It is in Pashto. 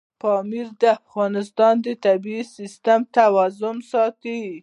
پامیر د افغانستان د طبعي سیسټم توازن ساتي.